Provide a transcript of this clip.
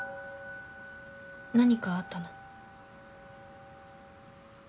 何かあったの？